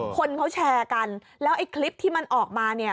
คนเขาแชร์กันแล้วไอ้คลิปที่มันออกมาเนี่ย